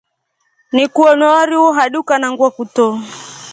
Niku wanywa wari wo hadi ukanangwa kutro.